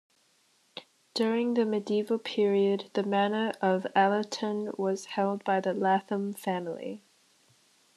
During the medieval period the manor of Allerton was held by the Lathom family.